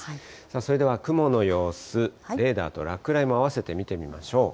それでは雲の様子、レーダーと落雷もあわせて見てみましょう。